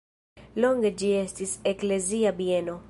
Longe ĝi estis eklezia bieno.